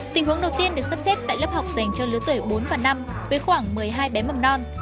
tình huống đầu tiên được sắp xếp tại lớp học dành cho lứa tuổi bốn và năm với khoảng một mươi hai bé mầm non